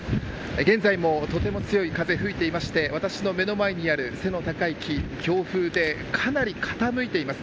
現在もとても強い風が吹いていまして私の目の前にある背の高い木強風でかなり傾いています。